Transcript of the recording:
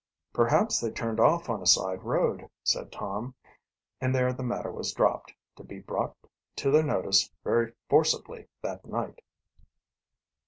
"Perhaps they turned off on a side road," said Tom, and there the matter was dropped, to be brought to their notice very forcibly that night.